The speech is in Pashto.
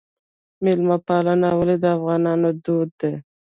میلمه پالنه ولې د افغانانو دود دی؟